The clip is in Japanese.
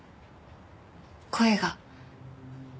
声が。